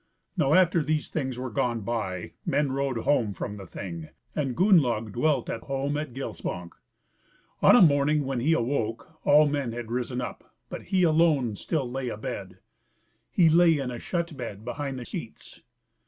Now after these things were gone by men rode home from the Thing, and Gunnlaug dwelt at home at Gilsbank. On a morning when he awoke all men had risen up, but he alone still lay abed; he lay in a shut bed behind the seats.